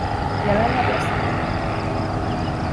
Jelenleg Espoo-ban él.